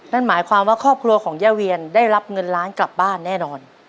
นั่นหมายความว่าครอบครัวของย่าเวียนได้รับเงินล้านกลับบ้านแน่นอน